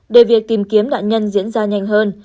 để việc tìm kiếm nạn nhân diễn ra nhanh hơn